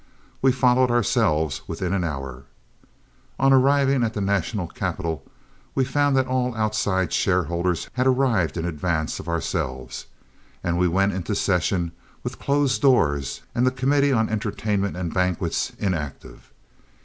We followed ourselves within an hour. On arriving at the national capital, we found that all outside shareholders had arrived in advance of ourselves, and we went into session with closed doors and the committee on entertainment and banquets inactive.